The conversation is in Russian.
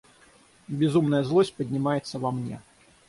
Безумная злость поднимается во мне.